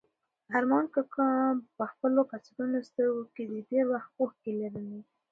ارمان کاکا په خپلو کڅوړنو سترګو کې د تېر وخت اوښکې لرلې.